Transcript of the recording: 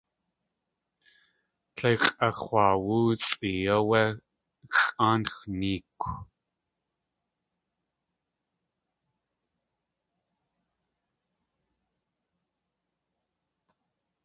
Tle x̲ʼax̲waawóosʼi áwé xʼáanx̲ neekw.